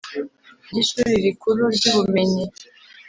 By ishuri rikuru ry ubumenyi